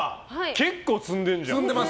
結構積んでるじゃん！